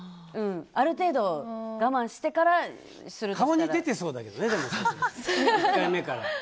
ある程度我慢してからするとしたら。